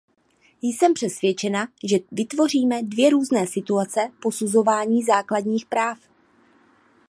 Jsem přesvědčena, že vytvoříme dvě různé situace posuzování základních práv.